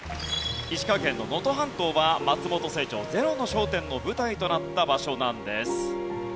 石川県の能登半島は松本清張『ゼロの焦点』の舞台となった場所なんです。